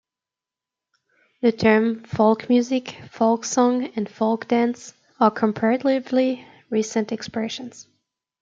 The terms "folk music", "folk song", and "folk dance" are comparatively recent expressions.